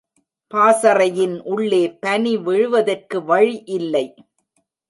பாசறையின் உள்ளே பனி விழுவதற்கு வழி இல்லை.